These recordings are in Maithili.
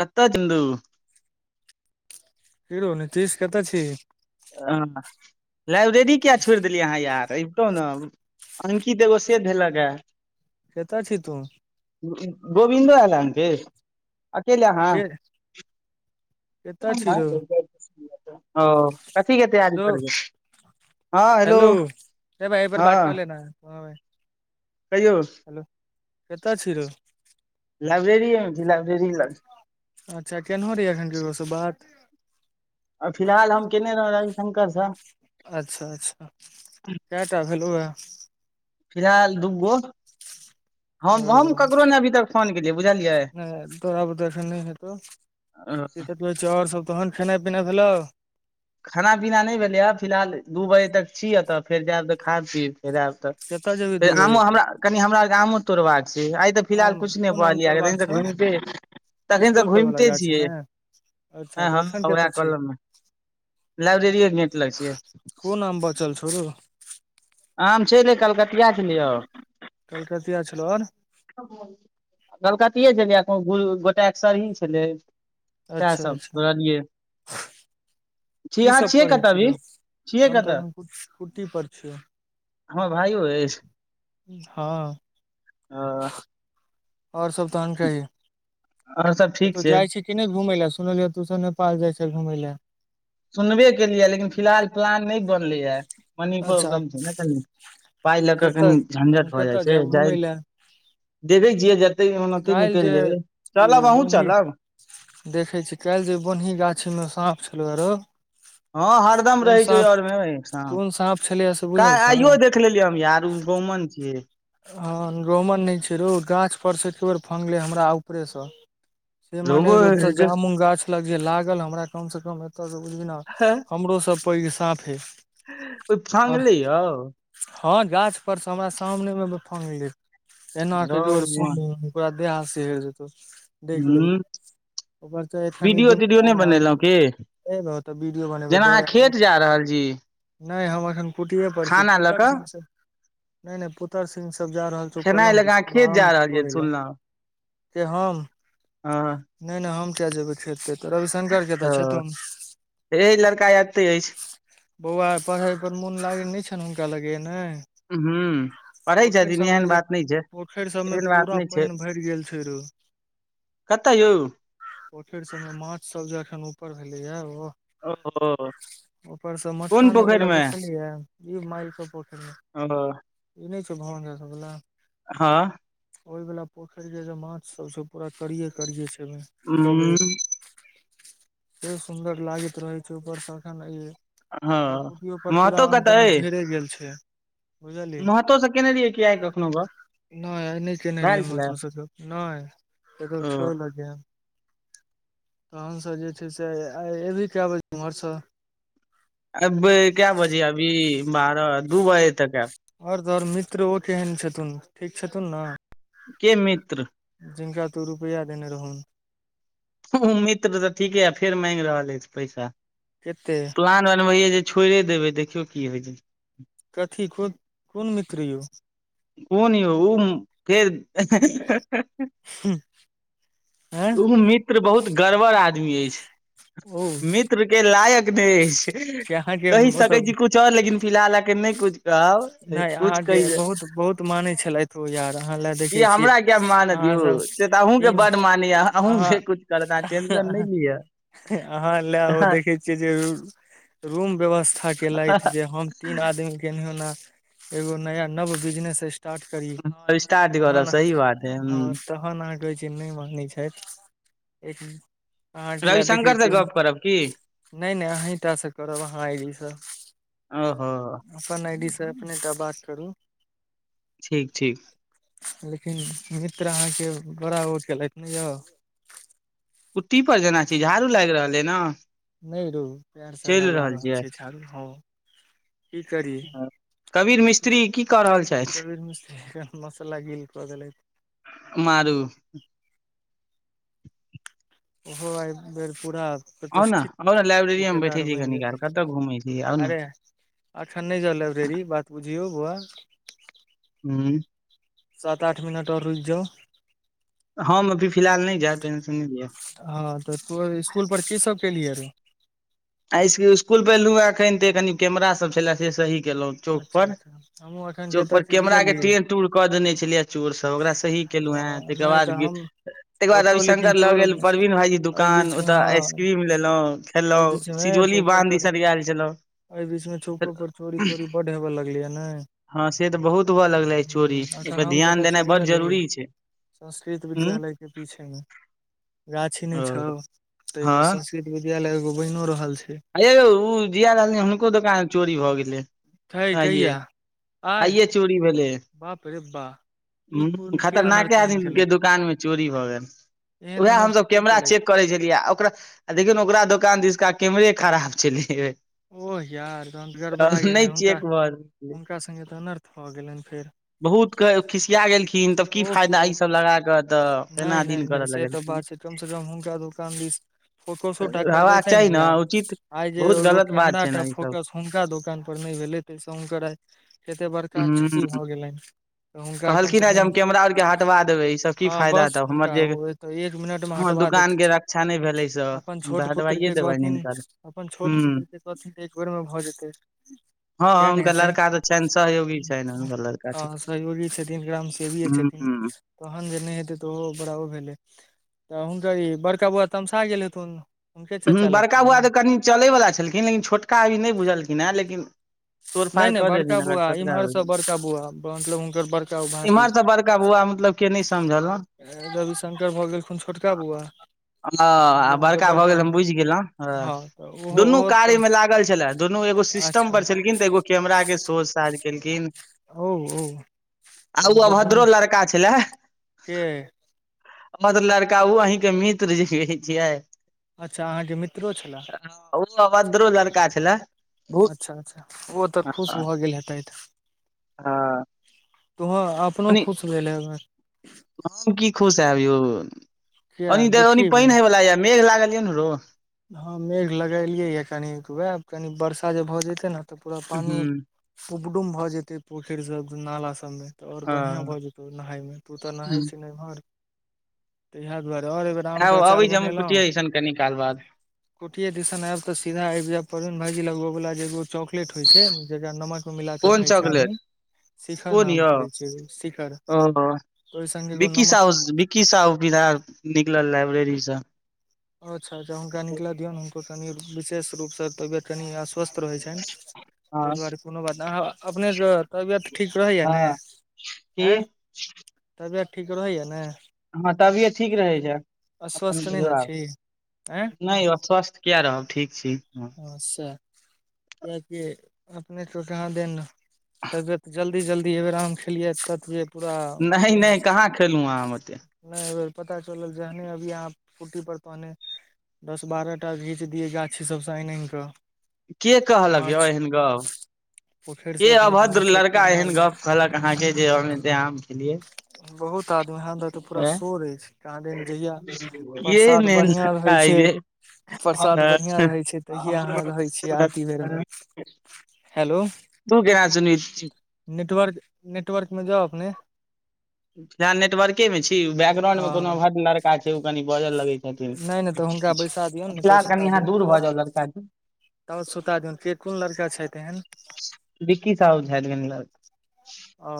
कतऽ चन्दू की यो नीतीश कतऽ छी हलाइब्रेरी किया छोड़ि देलियै अहाँ यार अबितहु ने अंकित एगो से धेलक ह केतऽ छी तूँ गोविन्दो आयल हन कि अकेले अहाँ के कतऽ छी रौ ओ कथी कि तैयारी रौ करबै हेलो हे भाइ सकबेर बात हँ करले ने कहियौ केतऽ छी लाइब्रेरी ए लइब्रेरी ल अच्छा केनाहो रही एखन केकरोस बात फिलहाल हम केने रहौं रविशंकर अच्छा अच्छा कटा भेलू ह फिलहाल दूगो हम हम ककरो नहि अभी तक फोन केलियै बुझलियै ह तड़ा बुते एखन नहि हेतो कहै छै ओर सब तहन खेनाइ पिना भेल खाना पीना नहि भेलैए फिलहाल दू बजे तक छी एतऽ फेर जायब तऽ खा पीब फेर कतऽ जेबही दू बजे आयब तक अमरा कनि हमरार के आम तोड़बाक आइ तऽ फिलहाल आम किछु नहि कोन आम तोड़बाक कहलियैखन त छौ घुमिते तखन स्कूल त पर वला घुमिते गाछी छियै मे अच्छा तऽ हँ एखन उएह कतऽ छी कलममे लाइब्रेरिए गेट लग छियै कोन आम बचल छो आम छै ने कलकतिया छले यौ कलकतिया छलो आर कलकतिए छलै गोट सरही छलै इएह अच्छा सब अच्छा तोड़लियै छी की अहाँ सब छियै पढ़ै कतऽ छी अभी रौ छियै हम तऽ कतऽ एखन छुट्टी पर छियै हमर भाइ हो अछि हँ आ ओर सब तहन कही सब ठीक कतहु छै जाइ छी किने घूम लै सुनलियै तूस नेपाल जाय छ घुमय ले सुनबे केलियै लेकिन फिलहाल प्लान नहि बनले ह मनी अच्छा प्रॉब्लम छै ने कनि पाइ लऽ कऽ कतऽ कनि तहन झंझट भऽ जाइ कतऽ छै जायब घुमय जाइ लए देखे छिये जते ओन ओते काल्हि निकलि जेबै चलब अहूँ चलब देखै छी काल्हि जे बनही गाछीमे साँप छलहु आरो हँ हरदम रहै छै ओहि आर मे कोन साँप छलैये से साँफ बुझल छौ सफाइयो देख देख लेलियै हम यार गहुमन छीयै हँ गेँहुमन नहि छै रो गाछ पर से एक बेर फगले हमरा ऊपरेसँ से माने रोबो ओतऽ जामुन गाछ लग जे लागल हमरा कम से कम तऽसँ बुझली ने हमरो सब पैघ साफे छ ओ फांगले य हँ गाछ पर से हमरा सामने मे फंगले एना को रौ गोर सुन्न भगवान। हो गेलय पूरा देह हाथ सिहैर जेत ह्म वीडियो तीडियो नहि बनेलहुं की ए बहुतऽ वीडियो बने जेना अहाँ खेत जा रहल छी नहि हम एखन कुटीे पर छी खाना लऽ पुतर कऽ सिंह सब नहि नहि पुतर सिंह सब जा रहल छै खेनाइ लग आ खेत जा रहल छे सुनलहुँ से हम ह नहि नहि हम किया जेबै खेत पेत तऽ रविशंकर के तऽ छे ओ तु हे लड़का एते अछि बौआ पढ़य पर मोन लागैत नहि छनि हुनका लगेय या न हूँ पढ़ै छथिन एहन जे बात नहि छै पोखरि सबमे एहन बात पूरा नहि छ पानि भरि गेल छै रौ कतऽ यौ पोखेर सब में माछ सब जे अखन ऊपर भेलै या ओ ओ ऊपरसँ कोन मखाने वाला पोखरि मे देखलिये यऽ इ माइर क पोखरि में ओहो ई नहि छौ भगवान भैया सबवला हँ ओहिवला पोखरे जे माछसभ छै पूरा करियए करियए छै ओहि उम्म कबय से सुन्दर लागैत रहै छै ओकर शाखा नहि हँ आब कुटियो पर पूरा महतो कतऽ आमताम अइ झइरे गेल छै बुझलियै महतो स केने रहिये की नहि आ नहि केने भैल रहियै छलै महतो स गप नहि एगो ओ छौ लगे तहनस जे छै से आय अयबही कए बजे ओम्हरसँ एबय कय बजे अभी बारह दू बजे तक आयब आओर तोहर मित्र ओ केहन छथुन ठीक छथुन ने के मित्र जिनका तू रुपैआ देने रहौन उ मित्र तऽ ठीके यै फेर मागि रहल अछि पैसा केते प्लान बनबय जे छोड़े देबे देखियौ की होय छै कथी खुद कोन मित्र यौ कोन यौ ओ फेर ह ह ह हूं आंय ओ मित्र बहुत गड़बड़ आदमी अछि ओ मित्र के लायक नहि अछि से अहाँके कहि सकै छी मतलब कुछ आऔर लेकिन फिलहाल आके नहि कुछ कहब नहि कुछ अहाँके कहि बहुत बहुत मानै छलथि ओ यार अहाँ लए कि देखै छियै हमरा किया मारत अहाँ यौ सब से तऽ अहूँके तीन बड मानय यऽ अहाँ अहूँके कुछ करत अह टेंशन नहि लियअ अहाँ लए ओ देखै छियै जे उ रूम व्यवस्था केलथि जे हम तीन आदमी केन हौ ना एगो नया नव बिजनेस स्टार्ट करी स्टार्ट करब तहन सही बात है ह हँ तहन अहाँ कहय छियै नहि मंगै छथि एक अहाँठ लए देखै रविशंकर से छियै गप करब की नहि नहि अहीटाँ सं करब अहाँ आइडी सँ ओहो अपन आई डी से अपनेटा बात करू ठीक ठीक लेकिन मित्र अहाँके बड़ा ओ केलत ने यौ कुट्टी पर जेना छै झाड़ू लागि रहलै ने नहि रौ पैरसँ चलि लगा रहल छियै छी छाड़ू हँ की करी कबीर मिस्त्री की कऽ रहल छथि कबीर मिस मसला गेल कदेलक मारू ओहो आइ बेरपुरा आउ न आउ ने लइब्रेरी मे बैठे छी कनिकाल कतऽ घुमै छी आउ ने आखन नहि जाउ लाइब्रेरी बात बुझियौ बौआ हूँ सात आठ मिनट और रुक जाउ हम अभी फिलहालह नहि जा टेंशन नहि लिय हँ तऽ तो स्कूल पर की सब केलियै रे आ इ स्कुल पलहु एखन ते कनि कैमरा सब छले से सही केलहुं चौक अच्छा पर अच्छा हमहुँ एखन चौक कतऽ पर छियै कैमरा के बुझलही ट्रेन टूर क देने छलियए चोर सब ओकरा सही केलहु हे हँ ताकर नहि बाद तऽ हम तेकर बाद ओतौ लेकिन रविशंकर लऽ चोर गेल एहि परवीन भाईजी दुकान बीच मे ओतऽआइस क्रीम लेलहुँ खेलहौ ह चौको पर एहि बीच में चौको पर चोरी तोरी बड हेवे लगलै हा ने हँ से तऽ बहुत हुअ लगले चोरी ह ओ एखन हम परध्यान कतऽ छियै देनाइ बड्ड बुझलिही जरूरी छ संस्कृत विद्यालय के पीछेमें गाछी नहि छौ ओ ताहिमे हँ संस्कृत वि विद्यालय एगो बनि रहल छै अइ यौ जियाआ रहल हुनको दोकान चोरी भऽ गेलै हैइ कहिय आइये आइ आइये बाप रे बा ई ह कोन के खतरनाक अनर्थ एहन आदमी के केलथि दुकान में चोरी भऽ गेल एहन उएह हमस अनर्थ ब के कैमरा चेक केलथि करै छलियै आ ओकरा आ देखिन ओकरा दोकान त इसका कैमरे खराब छलै ओह यार तहन गड़बड़ा गेलनि नहि हुनका चेक भऽ रहल, हुनका सङ्गे तऽ अनर्थ भ गेलनि फेर बहुत खिसिया गेलखिन तब की ओह फायदा ओह ईसब लगा कऽ तऽ नहि केना नहि दिन नहि करय से तऽ लगलखिन बात छै कम से कम हुनका दोकान दी फोकसो टा हेबाक करबेते चाही नें ने यार उचित आइ जे बहुत एगो गलत बात कैमरा छै टा ने ई सब फोकस हुनका दोकान पर नहि भेलै ताहिसँ हुनकर आई कते बड़का क्षति हूँ भऽ गेलनि तऽ हुनका कहलखिन कमसँ हे जे कम हम कैमरा आर के हटवा देबै ई सब की हँ फायदा बस तब हमर हुनका जे ओ तऽ एक मिनट में पेनाल्टी हमर हटबा दुकान देथिन के छो रक्षा नहि भेलै से अपन हम छोट तऽ पुत्र हटवाइए के देबनि कहथिन हिनकर अपन हूँ छोट पुत्र के कहथिन एक बेर में भऽ जेतै हँ हँ किया नहि हुनकर हेतै लड़का तऽ छनि सहयोगी छनि हुनकर लड़का हँ छोटका सहयोगी छथिन ग्राम सेवीए छथिन हूँ तहन जे नहि हेतै तऽ ओहो बड़ा ओ भेलै तऽ हुनकर ई बड़का बौआ तमसा गेल हेथुन हुनके हँ चचा बड़का लगथिन ने बुआ तऽ कनि चलयवला छलखिन लेकिन छोटका अभी नहि बुझलखिन हेँ लेकिन तोड़ फाड़ नहि नहि कऽ देथिन बड़का अगर बौआ छोटका इम्हर हो से बड़का बौआ मतलब हुनकर बड़का भातिज इम्हरसँ बड़का बौआ मतलब के नहि समझल रवि शंकर भऽ गेलखुन छोटका बौआ ह आ मतलब हुनकर बड़का भऽ गेल हम बुझि गेल ह हँ तऽ ओहो दुनू ओहो कार्य तऽ में लागल छलए दुनू एगो सिस्टम अच्छा पर छलेलखिन तऽ एगो कैमरा के सो साज केलखिन ओ ओ तऽ आउ मतलब दुनू अभद्र लड़का छलै के अभद्र लड़का ओ अहींके मित्र जे छियै अच्छा अहाँके मित्रो छलए ओ अभद्रो लड़का छले बहुत अच्छा अच्छा ओ तऽ हँ खुश भऽ गेल हेतथि हँ तोह अपनो ओनी खुश भेलै हम की खुश हयब यौ किया पानि दुखी भेल हें वाला य मेघ लागल ये ने हँ मेघ लगेलियै य कनी उएह कनि वर्षा जे भऽ जेतै ने तऽ पूरा पनि हूँ उबडुम भऽ जेतै पोखरि सब नाला सब तऽ और ह बढ़ियां भए जेतौ नहााय मे तू तऽ नहाय छी नहर त इ दुआरे ओर आ अबै ज कुटिय इसन कनि काल बाद कोटि दिन आब तऽ सीधा आबि जाय भागी लगबयवला जेगो चॉकलेट होइ छै जेकरा नमक में मिला के कोन खाय छै चॉकलेट आदमी शिखर कोन नाम यौ पड़ छै शिखर ओ वे संगे एगो नमक की सा सुविधा निकलल लाइब्रेरीसँ अच्छा अच्छा हुनका निकल दियौ ने हुनको कनि विशेष रूपसँ तबियत कनि अस्वस्थ रहैत छनि हँ तहि दुआरे कोनो बात अहाँ अपनेके तबियत ठीक रहैया ने हँ की आय तबियत ठीक रहैय ने हँ तबियत ठीक रहै छै अपन अस्वस्थ नहि ने छी आँय नहि यौ स्वस्थ किया रहब ठीक छी [inaudible] कियकि अपने के कहाँ दे तबियत जलद जल्दी जल्दी हबेर खेलिय तत पूरा नहि मोन नहि कहाँ खेलहुँ आम ओतेक नहि, पता चलल जहने अभी यहाँ कुटी पड़ल तऽ ओहने। दस-बारह टा घीचि दियै, गाछी सभसँ आनि-आनि कऽ। के कहलक यौ माछ एहन गप? पोखरि से के अपने अभद्र माछो खूब लड़का एहन मारलहुं गप कहलक, अहाँके जे आम खेलियै? बहुत आदमी यऽ तऽ पूरा ऐं शोर अछि। कहाँ, दिन जहिया के प्रसाद एहन बढ़ियाँ रहै लड़का अइ छै, प्रसाद बढ़ियाँ रहै छै। तहिये अहाँ रहै छीयै, आरती जे बेरमे हेलो। तू ब्याज नहि दै छै। नेटवर्क, नेटवर्कमे जाउ अपने। नेटवर्के छी, बैकग्राउंडमे कोनो हँ अभद्र लड़का छै, ओ कनि बाजल लगै छै। नहि नहि तऽ हुनका बैसा दियौन नहि तऽ कनि यहाँ दूर भऽ जाउ लड़का सँ। तऽ सुता दियौन, के कोन लड़का छै तखन? विक्की साहब छथि कनि लड़का ओ,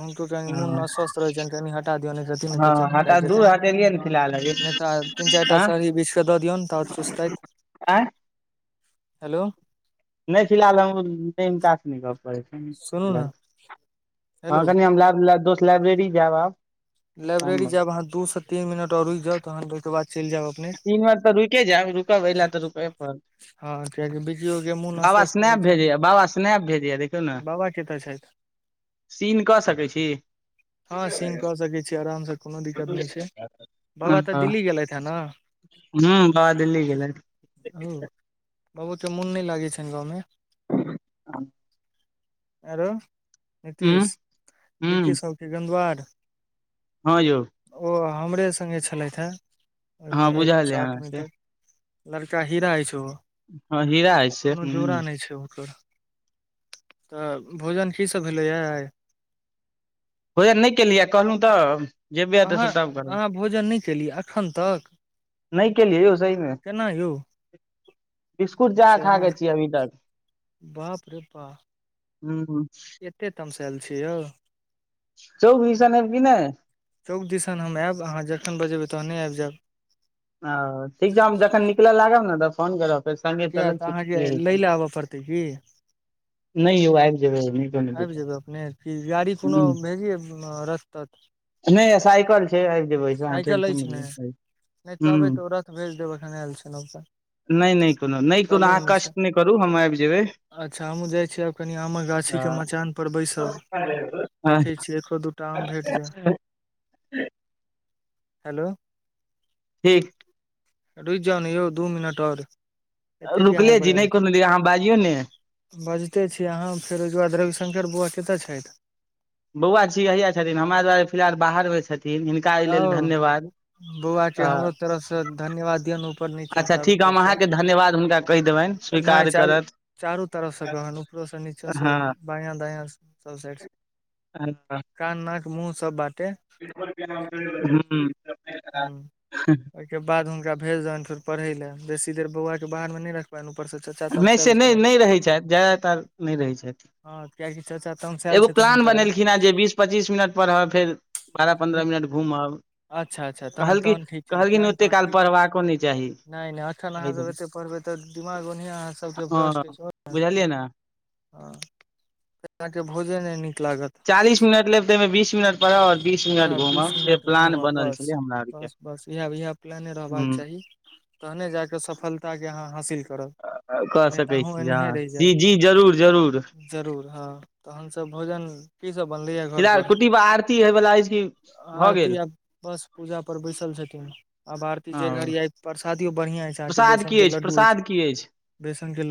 हुनकर मन निश्चिन्त रहनि कऽ हँ। हँ हँ, हटा दू। हटेलियै ने फिलहाल अभी। तीन-चारि टा आँ साड़ी बीछि कऽ दऽ दियौन, तऽ चुसता आँय हेलो। नहि, फिलहाल हम नहि बाप सुनू ने करब। हँ, हेलो कनि हम दोस्त लाइब्रेरी जायब आब। लाइब्रेरी जायब, अहाँ दू-तीन मिनट रुकि जाउ, तखन ओहि बाद जायब अपने। तीन मिनट तऽ रुकऽ, जाबऽ आ रुकबै पड़त। हँ कियाकि बीजियो के मोन बाबा अस्वस्थ रहै स्नैप छनि भेजैए, बाबा स्नैप भेजैए, देखियौ ने। बाबा कतऽ छथि सीन कऽ सकै छी। हँ सीन कऽ सकै आराम सँ, कोनो दिक्कत नहि छै। हँ बाबा तऽ दिल्ली गेलथि हे ने। हूँ, बाबा दिल्ली गेले। ओ बाबूके तऽ मोन नहि लगै छनि गाममे। ह [unintelligible] आरो उंम्म नीतीश हूं बिकशल कऽ गेन्द्वार। हँ यौ। ओ हमरे संगे छलथि हेँ। हँ, बुझलियै अहाँसँ। लड़का हीरा अछि ओ। हँ, हीरा अइ से। हुनकर। तऽ भोजनमे की सभ भेलैए आइ? भोजन नहि केलियै, कहलहुँ तऽ। जेबै एतऽ अहाँ, से तब करबै अहाँ भोजन नहि केलियै एखन तक। नहि केलियै यौ सही मे। केना यौ? बिस्कुटे जा खा चाह कऽ छियै अभी तक। बाप रे बाप। हूँ। एते तमसाल आयल छियै यौ। चौक दिसन आब कि ने? चौक दिसन हम आयब अहाँ जखन बजेबै तहने आबि जायब। हँ, ठीक छै। हम जखन निकलऽ लागब ने, तऽ फोन करब। तऽ संघे किया चल तऽ छै, अहाँके लै लए आबय पड़तै की नहि यौ, आब जेबै। कोनो आबि दिक्कत जेबै अपने, कि गाड़ी कोनो हूं भेजिए रस्ता? नहि, साइकल छै, आबि जेबै, अहाँ टेंशन अछि नहि ने लिअ। नहि कहबै हूं तऽ ओ तुरन्त भेजि देत, एखन आयल छलहुँ। नहि नहि, कोनो नहि, कोनो, अहाँ कष्ट नहि करू, हम आबि जेबै। अच्छा, हमहूँ जाइ छियै, आ कनि आमक गाछी। के मचान पर बैसब देखै छियै एको दूटा आम भेट जाय हेलो ठीक रूकि जाउ ने यौ दू मिनट आर रुकले छी नहि कोनो दीद अहाँ बाजियौ ने बजिते छी अहाँ फेर ओहिके बाद रविशकर बौआ कतय छथि बौआ छी हइया छथिन हमरा दुआरे फिलहाल बाहरमे छथिन हिनका एहि लेल धन्यवाद बौआ के हमरो तरफसँ धन्यवाद दियनु उपर निचा अच्छा चारू ठीक हम तरफसँ अहाँके धन्यवाद हुनका कहि देबनि नहि स्वीकार चारू करत चारू तरफ से कहनु ऊपरोसँ नीचोसे हँ बायां दाया सब साइड हं कान नाक मुँह सब बाटे हम्म ओइ के बाद हुनका भेज देभनि फेर पढ़े ले बेसी देर बौआ के बाहर मे नहि रख उपर सँ चचा नहि से तमसायल छलनि नहि नहि रहैत छथि ज्यादातर नहि रहैत छथि हँ कियकि चाचा तमसायल एगो छथिन प्लान हुनकर आइ बनेलखिन हेँ जे बीस पच्चीस मिनट पढब फेर बारह पन्द्रह मिनट घुमब अच्छा अच्छा तहन तह ठीक छै प्लान काल त पढ़बाको नइ चाही नहि नहि एखन अहाँसब एते पढ़बै तऽ दिमाग ओहिना अहाँ सभके हँ भ्रष्ट बुझलियै अछि ने हंँ एतणके भोजन नहि नीक लागत चालीस मिनट लेब तइ में बीस मिनट पढ़ब आओर बीस मिनट घुमब ह बस बस बस इएह इएह प्लाने रहबाक ह चाही तहने जा कऽ सफलता के आहां हासिल करब कऽ नहि तऽ सकै अहूँ छी अ एनाहे रहि जी जायब जी जरूर जरूर जरूर हँ तहन सब भोजन की सब बनलै येह फिलहाल कुट्टी बा आरती होयवला अछि कि भऽ गेल आरती आब बस पूजा पर बैसल छथिन आब आरती ओ जे घडी़ य परसादियो बढ़िया अछ प्रसाद की अछि प्रसाद की अछि बेसन के ल